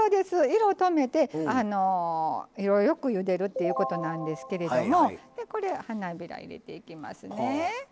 色とめて、色よくゆでるってことなんですけど花びら、入れていきますね。